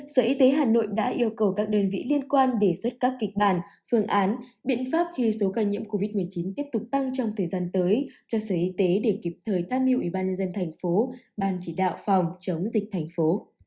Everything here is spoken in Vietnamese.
sở y tế hà nội đã yêu cầu các đơn vị liên quan đề xuất các kịch bản phương án biện pháp khi số ca nhiễm covid một mươi chín tiếp tục tăng trong thời gian tới cho sở y tế để kịp thời tham mưu ủy ban nhân dân thành phố ban chỉ đạo phòng chống dịch thành phố